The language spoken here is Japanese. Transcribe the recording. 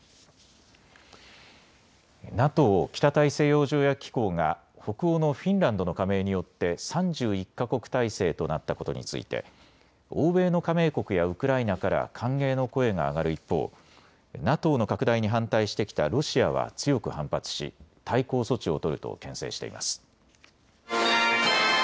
ＮＡＴＯ・北大西洋条約機構が北欧のフィンランドの加盟によって３１か国体制となったことについて欧米の加盟国やウクライナから歓迎の声が上がる一方、ＮＡＴＯの拡大に反対してきたロシアは強く反発し対抗措置を取るとけん制しています。